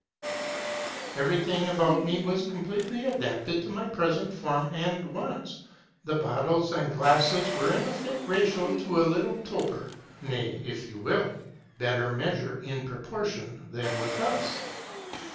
"Every thing about me was completely adapted to my present form and wants : the bottles and glasses were in a fit ratio to a little toper, ŌĆö nay, if you will, better measure in pro portion than with us.